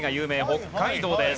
北海道です。